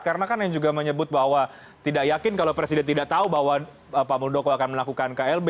karena kan yang juga menyebut bahwa tidak yakin kalau presiden tidak tahu bahwa pak muldoko akan melakukan klb